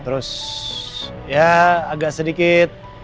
terus ya agak sedikit